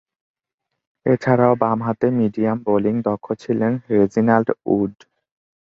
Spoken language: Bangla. এছাড়াও, বামহাতে মিডিয়াম বোলিং দক্ষ ছিলেন রেজিনাল্ড উড।